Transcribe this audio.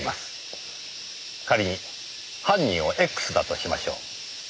仮に犯人をＸだとしましょう。